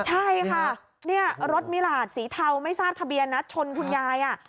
ใช่ค่ะเนี่ยรถมิลาดสีเทาไม่ทราบทะเบียนนะชนคุณยายอ่ะ